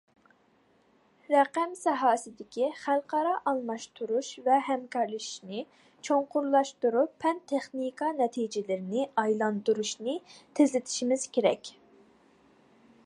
رەقەم ساھەسىدىكى خەلقئارا ئالماشتۇرۇش ۋە ھەمكارلىشىشنى چوڭقۇرلاشتۇرۇپ، پەن- تېخنىكا نەتىجىلىرىنى ئايلاندۇرۇشنى تېزلىتىشىمىز كېرەك.